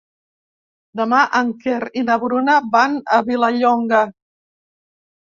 Demà en Quer i na Bruna van a Vilallonga.